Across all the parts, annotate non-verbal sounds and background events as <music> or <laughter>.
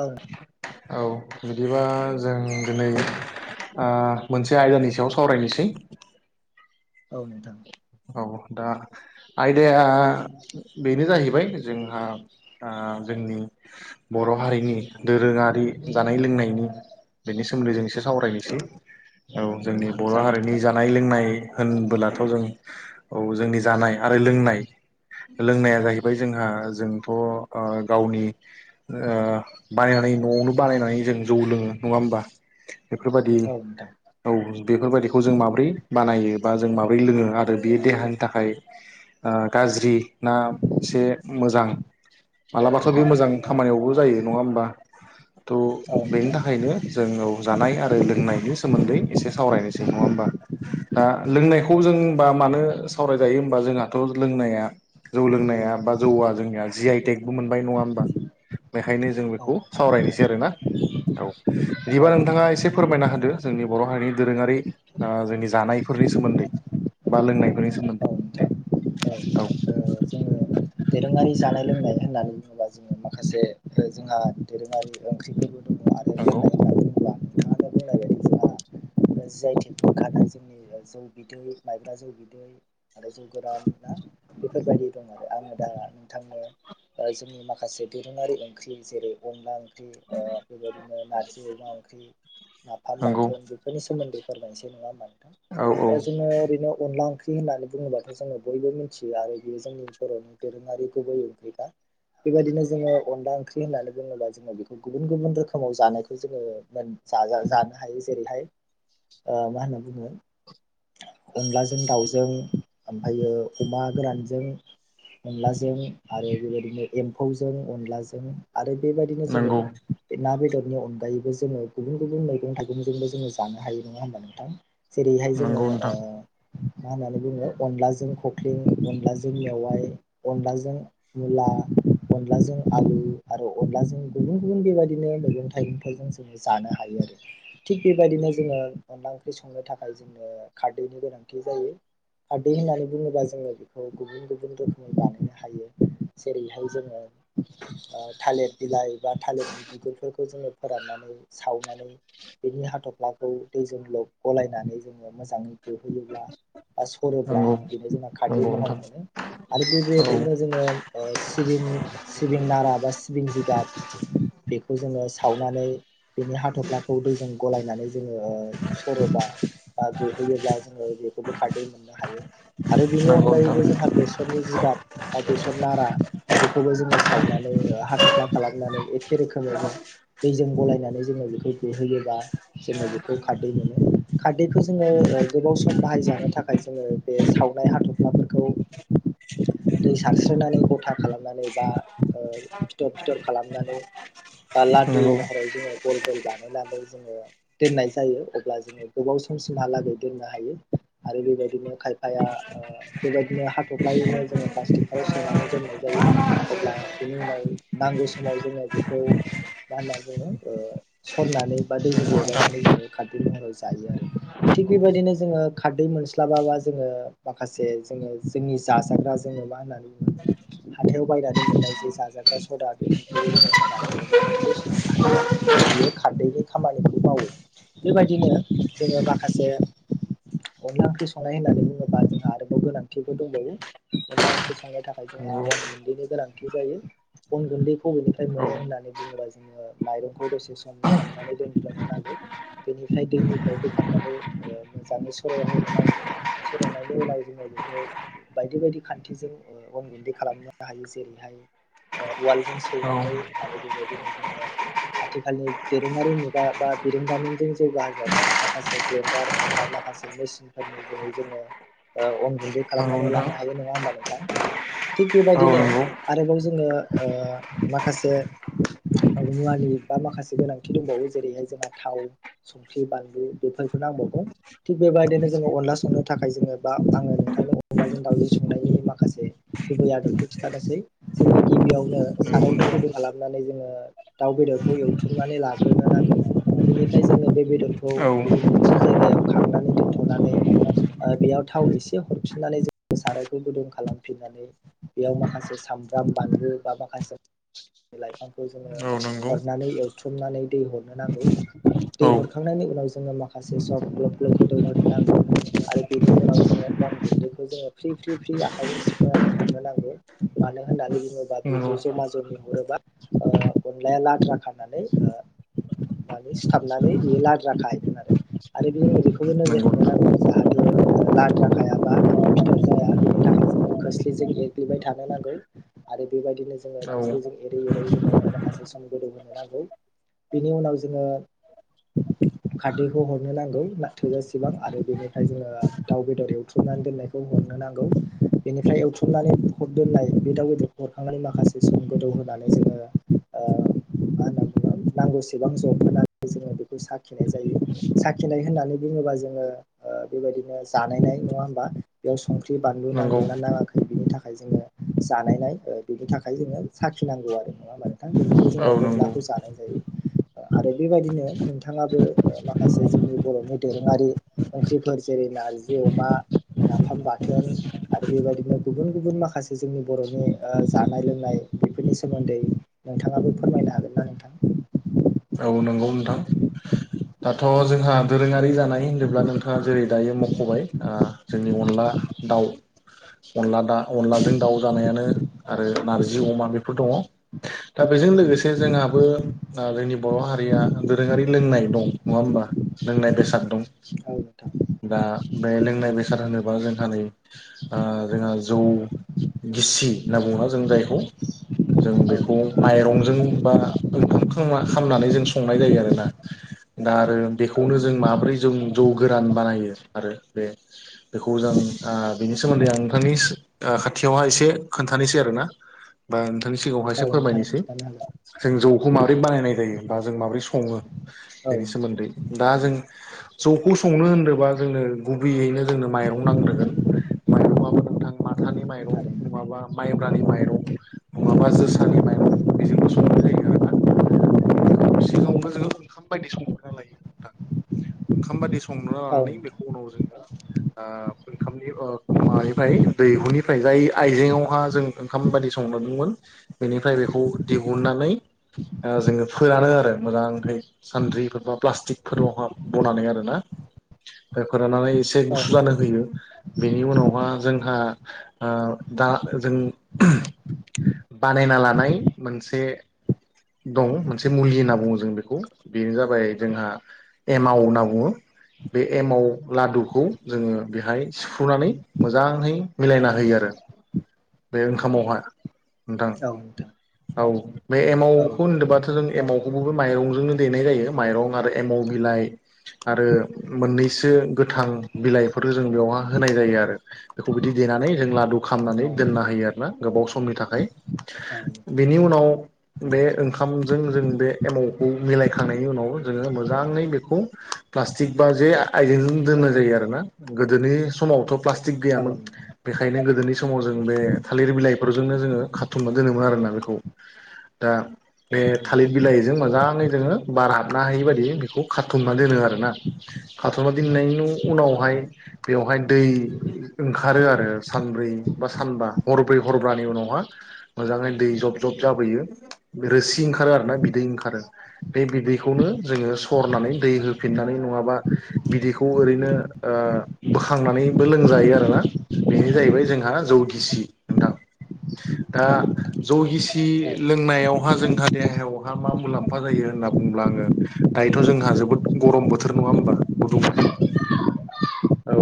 औ औ बिदिबा जों दिनै ओ मोनसे आयदानि सायाव सावरायनोसै औ नोंथां औ दा आयदाया बेनो जाहैबाय जोंहा ओ ओ जोंनि बर हारिनि दोरोङारि जानाय लोंनायनि बेनि सोमोन्दै जों औ सावरायनोसै औ जोंनि औ बर' जागोन नोंथां हारिनि जानाय लोंनाय होनबोलाथ' जों औ जोंनि जानाय आरो लोंनाय लोंनाया जाहैबाय जोंहा जोंथ' ओ गावनि ओ बानाय न'आवनो बानायनानै जों जौ लोंङो नङा होमबा बेफोरबायदि औ नोंथां औ बेफोरबायदिखौ जों माबोरै बानायो बा जों माबोरै लोङो आरो आरो बियो देहानि थाखाय गाज्रि ना एसे मोजां माब्लाबाथ' बे मोजां खामानियावबो जायो नङा होमबा थ' औ बेनि नोंथां थाखायनो जोंङो जानाय आरो लोंनायनि सोमोन्दै एसे सावरायनोसै नङा होमबा दा लोंनायखौ औ जों नोंथां होमबा मानो सावरायजायो होनबा जोंहाथ' लोंनाया जौ लोंनाया बा जौआ जोंनिया जि आइ टेकबो मोनबाय नङा होमबा बेखायनो जों औ बेखौ नोंथां सावरायनोसै आरोना औ बिदिबा थारैनो औ नोंथां नोंथाङा एसे फोरमायना होदो जोंनि बर' हारिनि दोरोङारि ओ जोंनि जानायफोरनि सोमोन्दै बा लोंनायफोरनि सोमोन्दै औ नोंथां दे औ ओ जोङो दोरोङारि जानाय लोंनाय होननानै बुङोबा जोंङो माखासे जोंहा दोरोङारि ओंख्रिफोरबो नंगौ दा नों बुंनाय बादिबा जि आइ थें मोनखानाय जोंनि जौ बिदै माइब्रा जौ बिदै आरो जौ गोरान ना बेफोरबायदि दं आरो आङो दा नोंथांनो जोंनि माखासे दोरोङारि ओंख्रि जेरै अनला ओंख्रि बेबायदिनो नारजि अमा ओंख्रि नाफाम नंगौ बाथोन बेफोरनि सोमोन्दै फोरमायसै नङा होमबा औ औ नोंथां जोङो ओरैनो अनला ओंख्रि होननानै बुङोब्लााथ' जोङो बयबो मिथियो आरो बेयो जोंनि बर'नि दोरोङारि गुबै ओंख्रिखा बेबायदिनो जोङो अनला ओंख्रि होननानै बुङोबा जोङो बेखौ गुबुन गुबुन रोखोमाव जानायखौ जोङो मोन्नो जानो हायो जेरैहाय ओ मा होनना बुङो अनलाजों दाउजों ओमफ्रायो अमा गोरानजों अनलाजों आरो बेबायदिनो एम्फौजों अनलाजों आरो बेबायदिनो जोङो नंगौ बे ना बेदरनि अनगायैबो जोङो गुबुन गुबुन मैगं थाइगंजोंबो जोङो जानो हायो नङा होमबा नोंथां जेरैहाय जोङो नंगौ ओ नोंथां मा होननानै बुङो अनलाजों जों खखलिं अनलाजों मेवयाय अनलाजों मुला अनलाजों आलु आरो अनलाजों गुबुन गुबुन बेबायदिनो मैगं थाइगंफोरजों जोङो जानो हायो आरो थिग बेबायदिनो जोंङो अनला ओंख्रि संनो थाखाय जोंनो खारदैनि गोनांथि जायो खारदै होन्नानै जोङो बेखौ गुबुन गुबुन रोखोमै बानायनो हायो जेरैहाय जोङो थालिर बिलाइ एबा थालिरनि बिगुरफोरखौ जोङो फोराननानै सावनानै बेनि हाथफ्लाखौ दैजों ल' गलायनानै जोङो मोजाङै गोहैयोब्ला बा सरोब्ला नंगौ बेनो जोंना खारदै नंगौ महर नोंथां मोनो आरो औ बेबायदिनो जोंङो सिबिं सिबिं नारा बा सिबिं जिगाब बेखौ जोंङो सावनानै बेनि हाथफ्लाखौ दैजों गलायनानै जोंङो सरोबा बा गोहोयोब्ला जोंङो बेखौबो खारदै मोननो हायो आरो बेनि नंगौ नोंथां अनगायैबो जोंहा बेसरनि जिगाब बा बेसर नारा बेखौ खौबो जोङो सावनानै हा थफ्ला खालामनानैै एखे रोखोमैनो दैजों गलाय नानै जोङो बेखौ गोहोयो बा जोङो बेखौ खारदै मोनो खारैखौ जोङो ओ गोबाव सम बाहायजानो थाखाय जोङो बे सावनाय हाथफ्लाफोरखौ दै सारस्रिनानै गथा खालामनानै बा ओ फिथर फिथर खालामनानै बा लादु नंगौ महराव जोङो गल गल बानायनानै जोङो दोननाय जायो अब्ला जोङो गोबाव समसिमहालागै दोननो हायो आरो बेबायदिनो खायफाया ओ बेबायदिनो हाथफ्लायैनो जोङो प्लास्टिकफोराव सोनानै दोननाय जायो अब्ला बेनि उनाव नांगौ समाव जोङो बेखौ मा होनना बुङो ओ सरनानै बा दैजों लगायनानै जोङो खारदै महराव जायो आरो थिग बेबायदिनो जोङो खारदै मोनस्लाबाबा जोङो माखासे जोङो जोंनि जाजाग्रा जोङो मा होननानै बुङो हाथायाव बायनानै मोननाय जे जाजाग्रा सदा बेफोरखौबो जोङो होनानै अनला ओंख्रिबो संनो हायो आरो। बियो खारदैनि खामानिखौ मावो बेबायदिनो जोङो माखासे अनला ओंख्रि सं नाय बुङोबा जोंहा आरोबाव गोनांथिबो दंबावो अनला ओंख्रि संनो थाखाय जोंहा नंगौ अन गुन्दैनि गोनां थि जायो अन गुन्दैखौनिफ्राय औ मोन होननानै बुङोबा जोङो माइरंखौ दसे सम सोमना नैदोनफ्लांनो नांगौ बेनिफ्राय दैनिफ्राय बोखांनानै ओ मोजाङै सर' होगोर नांगौ सोर'नायनि उनाव जोङो बेखौ बायदि बायदि खान्थिजों अनगुन्दै खालामनो हायो जेरै उवालजों औ सौनानै आरो बेबायदिनो जोङो आथिखालनि दोरोङारि मुगा बा बिरोंदामिनजों जौगाहो जानाय माखासे ग्रेन्डार बा माखासे मेसिनफोरनि जोहै जोङो ओ अन गुन्दै नंगौ खालामनानै नोंथां लानो हायो नङा होमबा नों थां थिग औ बेबायदिनो नंगौ आरोबाव जोङो ओ माखासे मुवानि बा माखासे गोनांथि दंबावो जेरैहाय जोंहा थाव संख्रि बानलु बेफोर नांबावगौ थिग बेबायदिनो जोङो अनला सं नो थाखाय जोङो बा आङो नोंथांजों अनलाजों दावजों संनायनि माखासे गुबै आदबखौ खिथानोसै। जोङो गिबियावनो नंगौ सारायखौ नोंथां गोदौ खालामनानै जोङो दाउ बेदरखौ एवथ्रुमनानै लाग्रोनो नांगौ बेनिफ्राय जोङो बे बेदरखौ औ गुबुन मोनसे जायगायाव खांनानै दोनथ'नानै ओ बेयाव थाव एसे हरफिननानै जों सारायखौ गुदुं खालामफिननानै बेयाव माखासे सामब्राम बानलु बा माखासे लाइफांखौ जोङो औ नंगौ हरनानै एवथ्रुमनानै दै हरनो नांगौ। दै औ हरखांनायनि उनाव जोङो माखासे सम ग्लब ग्लब गोदौहोनो नांगौ। आरो बेनि उनाव जोङो अन गुन्दैखौ जोङो फ्रि फ्रि फ्रि आखाइजों सिफ्रुनानै हरनो नांगौ मानो होननानै बुङोबा नंगौ बेखौ जमा जमि हरोबा ओ अनलाया लाद्रा खानानै ओ माने सिथाबनानै बेयो लाद्रा खाहैगोन आरो आरो बे जोंनो बेखौबो नोजोर नंगौ होनो नांगौ जाहा थे लाद्रााखायाबा फिथर जाया बेनि थाखाय जोङो खोस्लिजों एरग्लिबाय थानो नांगौ। आरो बेबायदिनो जोङो नोंथां औ खोस्लिजों एरै एरै जोङो माखासे सम गोदौ होनोनो नांगौ। बेनि उनाव जोङो खारदैखौ हरनो नांगौ ना थोजासेबां आरो बेनि फ्राय जोङो दाउ बेदर एवथ्रुमनानै दोन्नायखौ हमनो नांगौ बेनिफ्राय एवथ्रुमनानै दोननाय बे दाउ बेदर हरखांनानै माखासे सम गोदौ होनानै जोङो ओ मा होनना बुङो नांगौसेबां जब होनानै जोङो बेखौ साखिनाय जायो। साखिनाय होननानै बुङोबा जोङो ओ बेबायदिनो जानायनाय नङा होमबा बेयाव संख्रि बानलु नंगौ नांदोंना नाङाखै बिनि था खाय जोङो जानायनाय बिनि थाखाय जोङो साखिनांगौ आरो। नङा होनबा नोंथां बेनिफ्राय जोङो औ नंगौ अनलाखौ जानाय जायो। आरो बेबायदिनो नोंथाङाबो ओ माखासे जोंनि बर'नि दोरोङारि ओंख्रिफोर जेरै नारजि अमा नाफाम बाथोन आरो बेबायदिनो गुबुन गुबुन माखासे जोंनि बर'नि ओ जानाय लोंनाय। बेफोरनि सोमोन्दै नोंथाङाबो फोरमायनो हागोन ना नोंथां? औ नंगौ नोंथां दाथ जोंहा दोरोङारि जानाय होनोब्ला नोंथाङा जेरै दायो मखबाय आं जोंनि अनला दाउ अनला दा अनलाजों दाउ जानायानो आरो नारजि अमा बेफोर दङ दा बेजों लोगोसे जोंहाबो आ जोंनि बर हारिया दोरोङारि लोंनाय दं नङा होमबा लोंनाय बेसाद दं औ नोंथां दा बे लोंनाय बेसाद होनोबा जोंहा नै आं जोंहा जौ गिसि होनना बु ना जों जायखौ जों औ बेखौ नोंथां माइरंजों बा ओंखाम खा खालामनानै जों संनाय जायो आरो ना दा आरो औ नोंथां बेखौनो जों माबोरै? जों जौ गोरान बानायो आरो बे बेखौ जों आं बेनि सोमोन्दै आं नोंथांनि खाथियावहा एसे खोन्थानोसै आरो ना बा नि सिगाङावहाय औ एसे नोंथां औ नोंथां फोरमायनोसै खिन्थानो जों जौखौ माबोरै बानायनाय जायो बा हागोन जों माबोरै सङो औ बेनि सोमोन्दै दा जों जौखौ संनो होनदोंबा जोंनो गुबैयैनो जोंनो माइरं नांग्रोगोन माइरंआबो नोंथां <inaudible> माथानि माइरं थारैनो नङाबा माइ ब्रानि माइरं नङाबा जोसानि माइरं बेजोंबो संनाय जायो आरो ना जौखौ जोङो ओंखाम बायदि संग्रैना लायो नोंथां ओंखाम बादि संना औ लानानै नोंथां बेखौ उनाव जोङो ओ ओंखामनि अ माबानिफ्राय दैहुनिफ्राय जाय आइजेंआवहा जों ओंखाम बायदि संनांगौमोन बेनिफ्राय बेखौ दिहुननानै ओ जोङो फोरानो आरो मोजांहै सान्द्रिफोर बा प्लास्टिकफोरावहा बनानै आरो ना फोराननानै एसे औ गुसु जानो नोंथां औ नोंथां औ होयो बेनि उनावहा जोंहा आं दा जों बानायना लानाय मोनसे दं मोनसे मुलि होनना बुङो जों बेखौ बेनो जाबाय जोंहा एमाव होनना बुङो बे एमाव लादुखौ जोङो बेहाय सिफ्रुनानै मोजाङै मिलायना होयो आरो <inaudible> बे ओंखामावहाय औ औ बे एमावखौ होनदोंबाथ जों एमावखौबो माइरंजोंनो देनाय जायो माइरं आरो एमाव बिलाइ आरो मोननैसो गोथां बिलाइफोर जों बेयावहा होनाय जायो आरो बेखौ बिदि देनानै जों लादु खालामनानै दोननो होयो आरोना गोबाव समनि थाखाय बेनि उनाव बे ओंखामजों जों बे एमावखौ मिलायखांनायनि उनाव जोङो मोजां ङै बेखौ प्लासटिक बा जे आइजेंजों दोननाय जायो आरोना गोदोनि समावथ प्लासटिक गैयामोन बेखायनो गोदोनि समाव जों बे थालिर बिलाइफोरजोंनो जोङो खाथुमना दोनोमोन आरोना बे खौ दा बे थालिर बिलाइजों मोजाङै जोङो बार हाबनो हायि बायदि बेखौ खाथुमना दोनो आरोना खाथुमना दोननायनि उनावहाय बेवहाय दै ओंखारो आरो सानब्रै बा सानबा हरब्रै हरब्रानि उनावहा मोजाङै दै जब जब जाबोयो रोसि ओंखारो आरोना बिदै ओंखारो बे बिदैखौनो जोङो सरनानै दै होफिननानै नङाबा बिदैखौ ओरैनो ओ ओ बोखांनानैबो लोंजायो आरोना बेनो जाहैबाय जोंहा जौगिसि नोंथां। दा जौगिसि नि लोंनायावहा जोंहा देहायावहा मा मुलाम्फा जायो होनना बुंब्ला आङो दायोथ जोंहा जोबोद गरम बोथोर नङा होमबा गुदुं <unintelligible> औ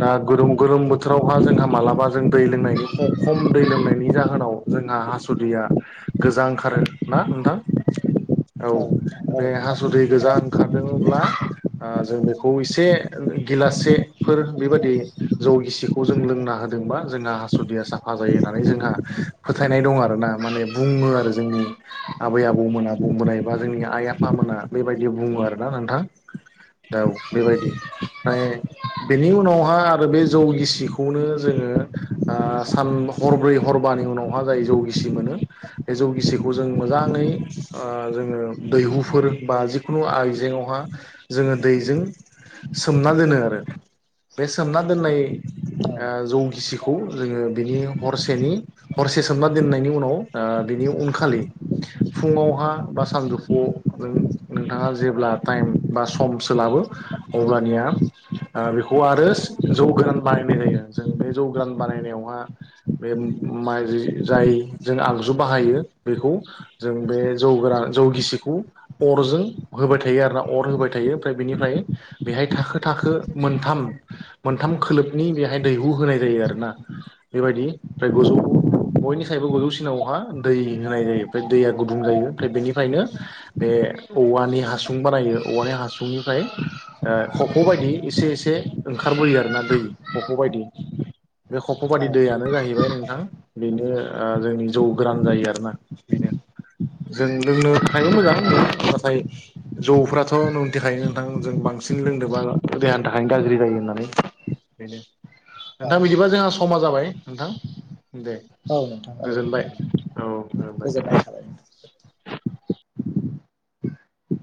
दा गोरोम-गोरोम बोथोरावहा जोंहा मालाबा जों दै लोंनायनि ख-खम दै लोंनाय बेनि जाहोनाव जोंहा हासुदैया गोजां ओंखारो ना नोंथां। औ नोंथां औ बे थारैनो हासुदै गोजा ओंखारदोंब्ला ओ जों बेखौ एसे गिलास से फोर बेबायदि जौ गिसिखौ जों लोंना होदोंबा जोंहा हासुदिया साफा जायो होननानै जोंहा हा फोथायनाय दं आरोना माने बुङो आरो जोंनि आबै आबौमोना बुंबोनाय बा जोंनि आइ आफामोना बेबायदि बुङो आरोना नोंथां औ बेबायदि ओमफ्राय बेनि उनावहा आरो बे जौ गिसिखौनो जोङो ओ सान हरब्रै हरबा बानि उनावहा जाय जौ गिसि मोनो बे जौ गिसिखौ जों मोजाङै ओ जोंङो दै दैहुफोर बा जिखुनु आइजेंङावहा जोङो दैजों सोमना दोनो आरो। बे सोमना दोननाय औ ओ जौगिसिखौ खौ जोङो बिनि हरसेनि हरसे सोमना दोननायनि उनाव ओ बिनि उनखालि फुङावहा बा सानजौफुआव नों नोंथाङा जेब्ला टाइम बा समसो लाबो अब्लानिया ओ बेखौ आरो जौ गोरान बानायनाय जायो जों बे जौ गोरान बानायनायावहा बे मारि जाय जों आगजु बाहायो बेखौ जों बे जौ गोरा जौ गिसिखौ अजों होबाय थायो आरोना अर होबाय थायो ओमफ्राय बेनिफ्राय बेहाय थाखो-थाखो मोनथाम-मोनथाम खोलोबनि बेहाय दैहु होनाय जायो आरोना। बेबायदि ओमफ्राय गोजौ बयनिसायबो गोजौसिनावहा दै होनाय जायो ओमफ्राय दैया गुदुं जायो ओमफ्राय बेनिफ्रायनो बे बे औवानि हासुं बानायो औवानि हासुंनिफ्राय ओ खफ' बायदि एसे-एसे ओंखारबोयो आरोना दै खफ' बायदि। बे खफ'बादि दैयानो जाहैबाय नों नोंथां बेनो ओ जोंनि जौ गोरान जायो आरो ना बेनो जों लोंनो थाखायबो मोजां नाथाय जौफ्राथ' नोंमिथिखायो नोंथां जों बां बांसिन लोंदोंबा देहानि थाखायनो गाज्रि जायो होननानै बेनो औ नोंथां बिदिबा जोंहा समा जाबाय नोंथां दे औ नोंथां औ गोजोनबाय थारैनो औ गोजोननाय गोजोनबाय। थाबाय नोंथां